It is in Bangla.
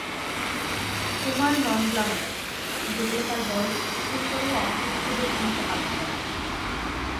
কুমার নন-গ্ল্যামারাস, যেগুলি তার বয়স অতিক্রম করেও অক্ষর হিসাবে ভূমিকা পালন করে না।